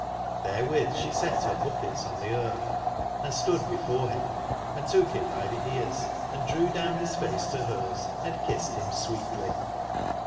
'' there with she set her buckets on the earth, and stood be fore him, and took him by the cars, and drew down his face to hers and kissed him sweetly.